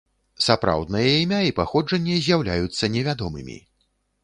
Сапраўднае імя і паходжанне з'яўляюцца невядомымі.